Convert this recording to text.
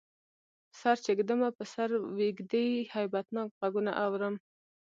سر چی ږدمه په سر ویږدی، هیبتناک غږونه اورم